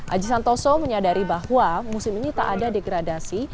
aji santoso menyadari bahwa musim ini tak ada degradasi